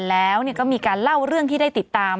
แล้วก็มีการเล่าเรื่องที่ได้ติดตาม